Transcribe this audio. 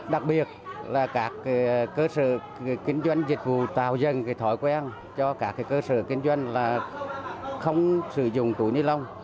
đặc biệt là các cơ sở kinh doanh dịch vụ tạo dừng thói quen cho các cơ sở kinh doanh là không sử dụng túi ni lông